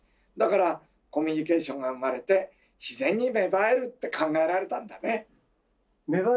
だからコミュニケーションが生まれて自然に芽生えるって考えられたんだね。